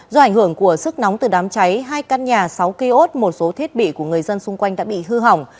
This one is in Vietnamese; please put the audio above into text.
do ảnh hưởng của sức nóng từ đám cháy hai căn nhà sáu kiosk một số thiết bị của người dân xung quanh đã bị hư hỏng